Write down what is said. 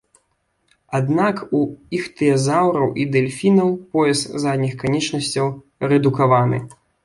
Аднак, у іхтыязаўраў і дэльфінаў пояс задніх канечнасцяў рэдукаваны.